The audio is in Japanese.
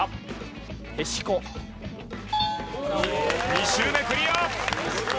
２周目クリア！